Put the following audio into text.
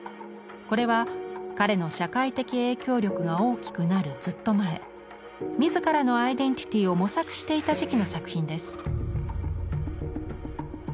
これは彼の社会的影響力が大きくなるずっと前自らのアイデンティティーを模索していた時期の作品です。